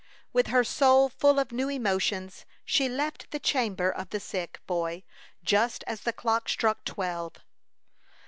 With her soul full of new emotions, she left the chamber of the sick boy just as the clock struck twelve.